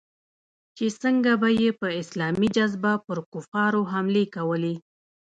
چې څنگه به يې په اسلامي جذبه پر کفارو حملې کولې.